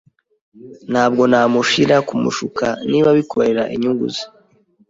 Ntabwo namushira kumushuka niba bikorera inyungu ze.